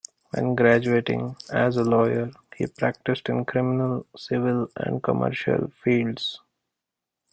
When graduating, as a lawyer, he practiced in criminal, civil and commercial fields.